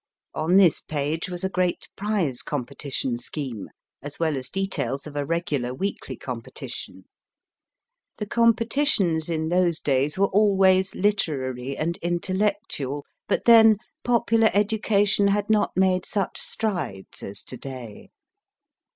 On this page was a great prize competition scheme, as well as details of a regular weekly competition. The competi tions in those days were always literary and intellectual, but then popular education had not made such strides as to day.